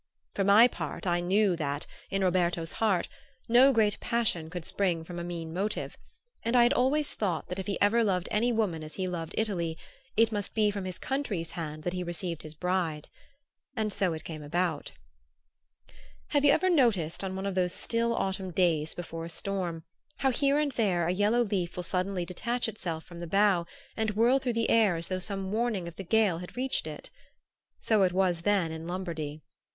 For my part I knew that, in Roberto's heart, no great passion could spring from a mean motive; and I had always thought that if he ever loved any woman as he loved Italy, it must be from his country's hand that he received his bride. And so it came about. Have you ever noticed, on one of those still autumn days before a storm, how here and there a yellow leaf will suddenly detach itself from the bough and whirl through the air as though some warning of the gale had reached it? So it was then in Lombardy.